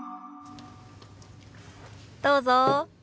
どうぞ。